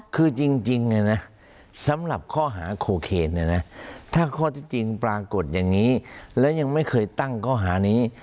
คือจริงเนี่ยนะสำหรับข้อหาโคเคนเนี่ยนะถ้าข้อที่จริงปรากฏอย่างนี้และยังไม่เคยตั้งข้อหานี้